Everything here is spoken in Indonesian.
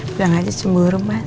belang aja cemburu mas